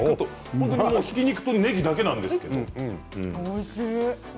本当に、ひき肉とねぎだけなんです。